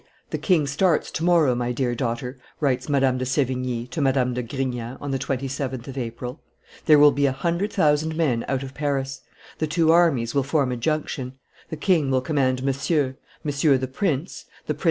"The king starts to morrow, my dear daughter," writes Madame de Sevigne to Madame de Grignan on the 27th of April "there will be a hundred thousand men out of Paris; the two armies will form a junction; the king will command Monsieur, Monsieur the prince, the prince M.